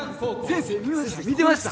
先生見てました？